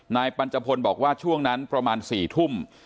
ปัญจพลบอกว่าช่วงนั้นประมาณ๔ทุ่ม